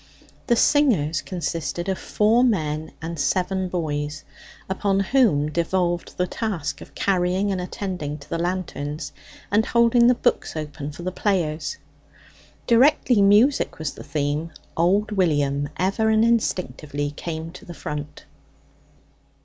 The singers consisted of four men and seven boys, upon whom devolved the task of carrying and attending to the lanterns, and holding the books open for the players. Directly music was the theme, old William ever and instinctively came to the front.